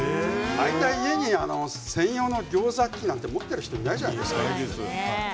家に専用でギョーザ機なんて持っている人いないじゃないですか。